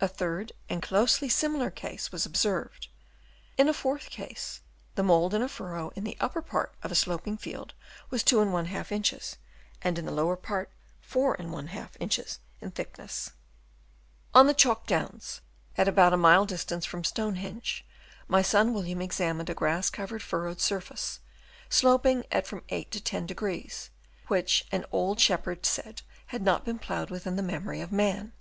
A third and closely similar case was Chap. VI. ANCIENTLY PLOUGHED FIELDS. 299 observed. In a fourth case, the mould in a furrow in the upper part of a sloping field was 2^ inches, and in the lower part 4^ inches in thickness. On the Chalk Downs at about a mile dis tance from Stonehenge, my son William ex amined a grass covered, furrowed surface, sloping at from 8° to 10°, which an old shep herd said had not been ploughed within the memory of man.